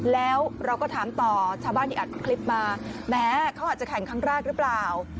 แล้วเราก็ถามต่อชาวบ้านที่อัดคลิปมาแม้เขาอาจจะแข่งครั้งแรกหรือเปล่า